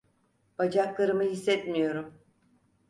Bacaklarımı hissetmiyorum.